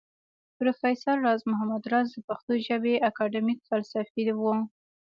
پروفېسر راز محمد راز د پښتو ژبى اکېډمک فلسفى و